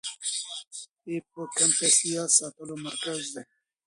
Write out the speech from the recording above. هیپوکمپس د یاد ساتلو مرکز دی.